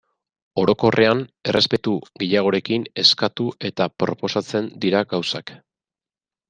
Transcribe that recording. Orokorrean errespetu gehiagorekin eskatu eta proposatzen dira gauzak.